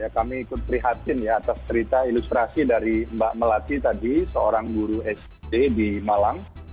kami ikut prihatin ya atas cerita ilustrasi dari mbak melati tadi seorang guru sd di malang